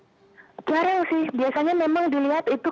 jarang sih biasanya memang dilihat itu